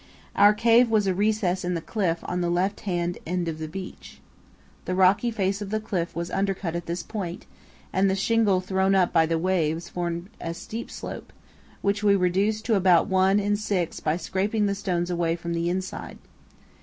Our cave was a recess in the cliff on the left hand end of the beach. The rocky face of the cliff was undercut at this point, and the shingle thrown up by the waves formed a steep slope, which we reduced to about one in six by scraping the stones away from the inside.